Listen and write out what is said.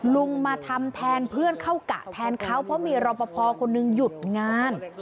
ลุงมาทำแทนเพื่อนเข้ากะแทนเขาเพราะมีรอปภคนหนึ่งหยุดงาน